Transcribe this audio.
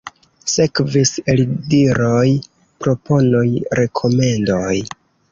Sekvis eldiroj, proponoj, rekomendoj.